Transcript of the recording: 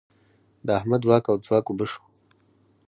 د احمد واک او ځواک اوبه شو.